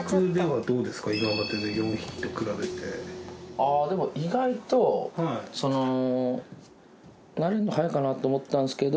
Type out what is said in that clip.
あぁでも意外とそのなれも早いかなと思ったんですけど。